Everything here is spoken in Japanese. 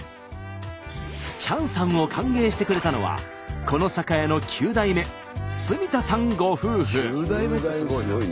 チャンさんを歓迎してくれたのはこの酒屋の９代目角田さんご夫婦。